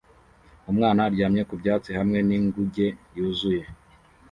Umwana aryamye ku byatsi hamwe n’inguge yuzuye